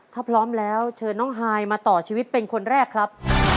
ถ้าพร้อมแล้วเชิญน้องฮายมาต่อชีวิตเป็นคนแรกครับ